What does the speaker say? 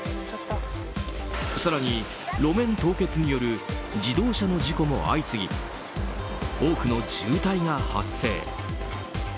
更に路面凍結による自動車の事故も相次ぎ多くの渋滞が発生。